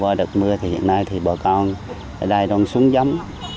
với đợt mưa thì hiện nay thì bọn con ở đây đông xuống giống